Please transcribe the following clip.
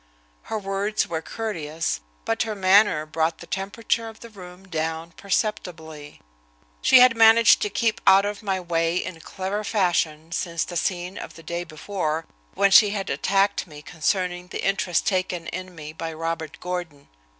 Her words were courteous, but her manner brought the temperature of the room down perceptibly. She had managed to keep out of my way in clever fashion since the scene of the day before, when she had attacked me concerning the interest taken in me by Robert Gordon.